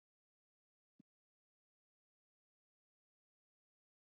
Се договорија за состанок.